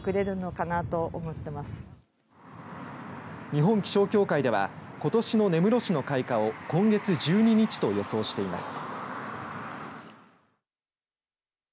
日本気象協会ではことしの根室市の開花を今月１２日と予想しています。